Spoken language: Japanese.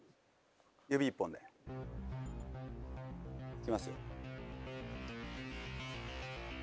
指一本でいきますよ。